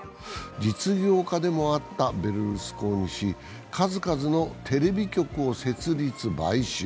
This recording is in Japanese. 実業家でもあったベルルスコーニ氏、数々のテレビ局を設立・買収。